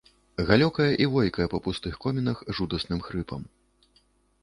Галёкае і войкае па пустых комінах жудасным хрыпам.